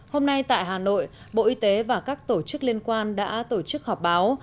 hôm nay tại hà nội bộ y tế và các tổ chức liên quan đã tổ chức họp báo